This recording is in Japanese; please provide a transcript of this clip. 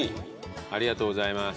ありがとうございます。